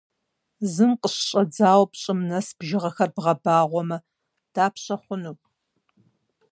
Зым къыщыщӏэдзауэ пщӏым нэс бжыгъэхэр бгъэбагъуэмэ, дапщэ хъуну?